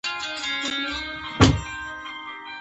پکتیا د افغانانو د ژوند طرز اغېزمنوي.